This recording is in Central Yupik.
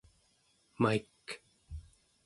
maik